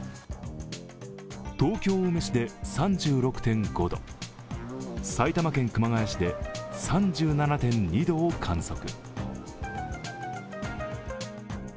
東京・青梅市で３６．５度、埼玉県熊谷市はで３７．２度を観測。